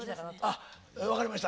あ分かりました。